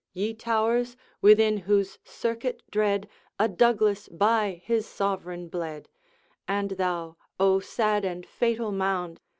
Ye towers! within whose circuit dread A Douglas by his sovereign bled; And thou, O sad and fatal mound!